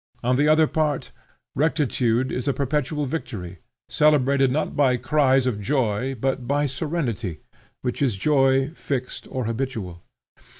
On the other part, rectitude is a perpetual victory, celebrated not by cries of joy but by serenity, which is joy fixed or habitual.